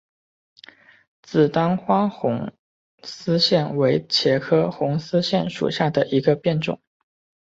紫单花红丝线为茄科红丝线属下的一个变种。